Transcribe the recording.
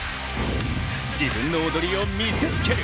自分の踊りを見せつける！